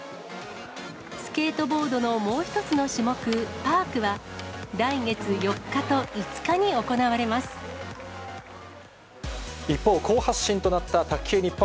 スケートボードのもう一つの種目、パークは、来月４日と５日に行わ一方、好発進となった卓球日本。